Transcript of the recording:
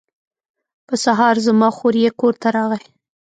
په سهار زما خوریی کور ته راغی.